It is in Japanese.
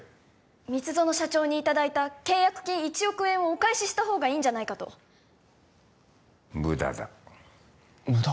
蜜園社長にいただいた契約金１億円をお返ししたほうがいいんじゃないかと無駄だ無駄？